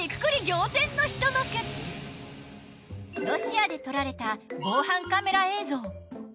ロシアで撮られた防犯カメラ映像。